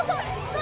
何？